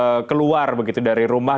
dan juga dikabarkan keluar begitu dari rumah